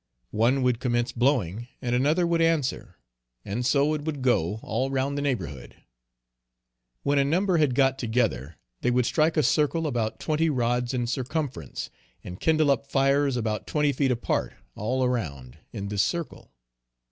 One would commence blowing and another would answer, and so it would go all round the neighborhood. When a number had got together, they would strike a circle about twenty rods in circumference, and kindle up fires about twenty feet apart, all around, in this circle.